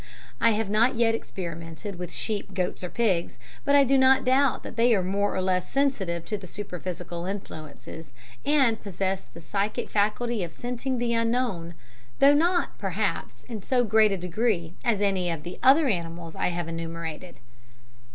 I have not yet experimented with sheep, goats, or pigs, but I do not doubt but that they are more or less sensitive to superphysical influences, and possess the psychic faculty of scenting the Unknown though not, perhaps, in so great a degree as any of the other animals I have enumerated.